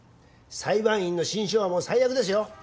裁判員の心証はもう最悪ですよ。